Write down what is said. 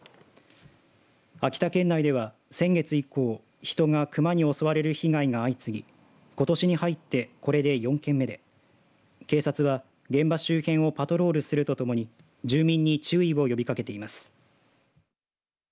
秋田県内では、先月以降人が熊に襲われる被害が相次ぎことしに入って、これで４件目で警察は、現場周辺をパトロールするとともに住民に注意を呼びかけています。